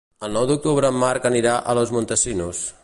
El nou d'octubre en Marc anirà a Los Montesinos.